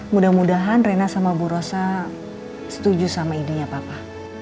mudah mudahan rena sama bu rosa setuju sama idenya papa